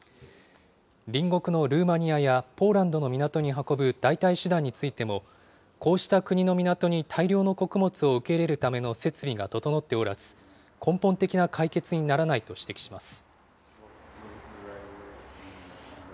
隣国のルーマニアやポーランドの港に運ぶ代替手段についても、こうした国の港に大量の穀物を受け入れるための設備が整っておらず、根本的な解決にならないと指摘します。